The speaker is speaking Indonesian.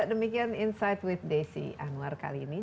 demikian insight with desi anwar kali ini